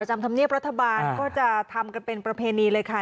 จำธรรมเนียบรัฐบาลก็จะทำกันเป็นประเพณีเลยค่ะ